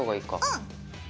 うん。